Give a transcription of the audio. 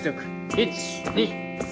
１・２・３。